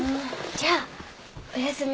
じゃあおやすみなさい。